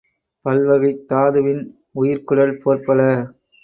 பல்வகைத் தாதுவின் உயிர்க்குடல் போற்பல